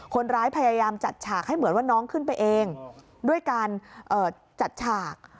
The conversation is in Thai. พยายามจัดฉากให้เหมือนว่าน้องขึ้นไปเองด้วยการจัดฉาก